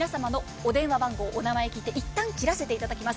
お電話番号、お名前聞いていったん切らせていただきます。